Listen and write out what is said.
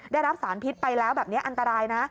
ได้รับสารพิษไปแล้วแบบนี้อันตรายนะ